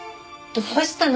どうしたの？